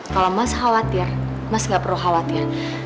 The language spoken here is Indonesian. kalau mas khawatir mas nggak perlu khawatir